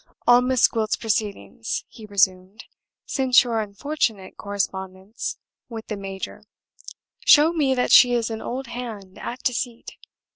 "All Miss Gwilt's proceedings," he resumed, "since your unfortunate correspondence with the major show me that she is an old hand at deceit.